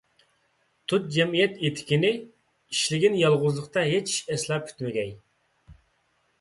تۇت جەمئىيەت ئېتىكىنى، ئىشلىگىن، يالغۇزلۇقتا ھېچ ئىش ئەسلا پۈتمىگەي.